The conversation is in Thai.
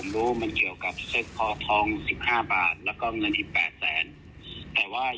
ผมก็ยังเตือนว่าให้ระวังตัวไว้แกก็เลยเอาแฟนไปด้วยเอาสามีแกไปด้วย